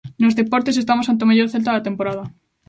Nos deportes, estamos ante o mellor Celta da temporada.